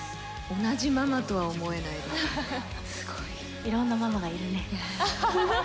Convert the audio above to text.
同じママとは思えないですね、いろんなママがいるね。